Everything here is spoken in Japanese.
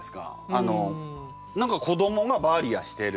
あの何か子どもが「バーリア」してる。